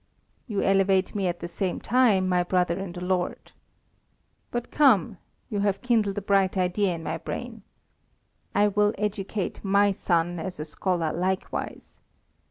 "You elevate me at the same time, my brother in the Lord! But come! you have kindled a bright idea in my brain. I will educate my son as a scholar likewise.